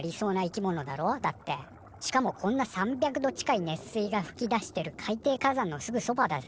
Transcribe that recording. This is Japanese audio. しかもこんな３００度近い熱水がふき出してる海底火山のすぐそばだぜ。